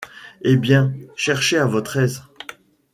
Eh bien !… cherchez à votre aise. .